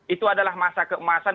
itu adalah masa keemasan